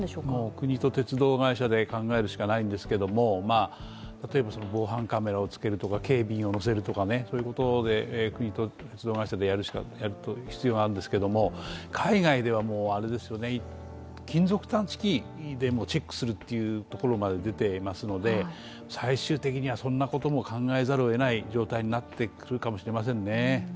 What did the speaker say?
国と鉄道会社で考えるしかないんですけれども、例えば防犯カメラをつけるとか警備員を乗せるとか、そういうことを鉄道会社でやる必要がありますが海外では金属探知機でチェックするというところまで出ていますので、最終的にはそんなことを考えざるをえない状態になってくるかもしれませんね。